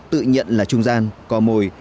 tự nhận là trung gian có mồi